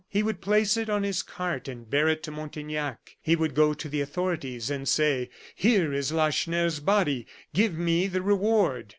He would place it on his cart and bear it to Montaignac. He would go to the authorities and say: "Here is Lacheneur's body give me the reward!"